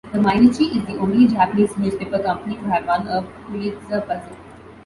The Mainichi is the only Japanese newspaper company to have won a Pulitzer Prize.